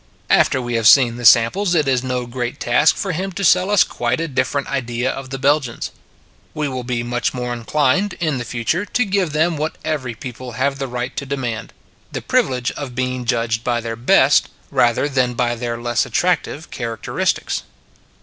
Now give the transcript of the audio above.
After we have seen the samples it is no great task for him to sell us quite a differ ent idea of the Belgians. We will be Watching the Prince 9 much more inclined, in the future, to give them what every people have the right to demand the privilege of being judged by their best rather than by their less at tractive characteristics.